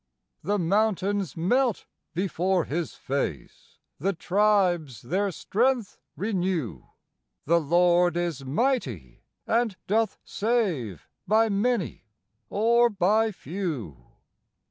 "The mountains melt before His face, the tribes their strength renew; The Lord is mighty and doth save by many or by few."